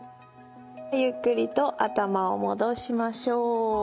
ゆっくりと頭を戻しましょう。